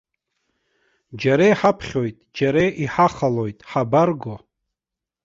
Џьара иҳаԥхьоит, џьара иҳахалоит, ҳабарго?